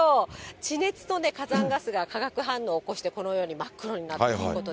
地熱と火山ガスが化学反応を起こして、このように真っ黒になるということで。